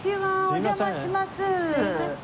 お邪魔します。